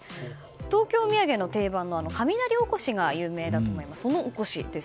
東京土産の定番の、雷おこしが有名だと思いますがそのおこしです。